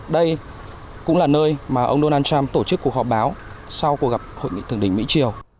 đây cũng là nơi mà ông donald trump tổ chức cuộc họp báo sau cuộc gặp hội nghị thượng đỉnh mỹ triều